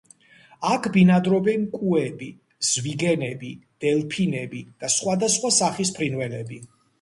აქ ბინადრობენ კუები, ზვიგენები, დელფინები და სხვადასხვა სახის ფრინველები.